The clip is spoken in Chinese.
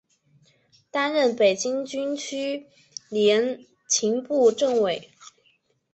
担任北京军区联勤部政委。